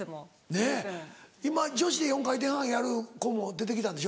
ねぇ今女子で４回転半やる子も出て来たんでしょ？